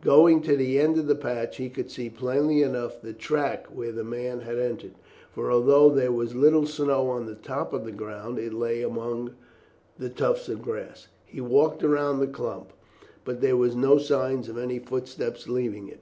Going to the end of the patch he could see plainly enough the track where the man had entered, for although there was little snow on the top of the ground it lay among the tufts of grass. He walked round the clump, but there were no signs of any footsteps leaving it.